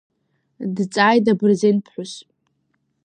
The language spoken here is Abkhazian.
Дҵааит абырзенԥҳәыс.